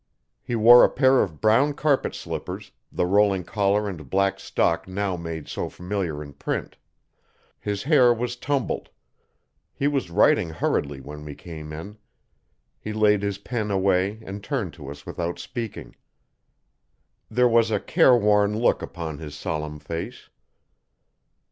He wore a pair of brown carpet slippers, the rolling collar and black stock now made so familiar in print. His hair was tumbled. He was writing hurriedly when we came in. He laid his pen away and turned to us without speaking. There was a careworn look upon his solemn face.